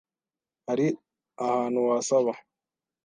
Hari ahantu wasaba?